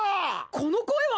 この声は！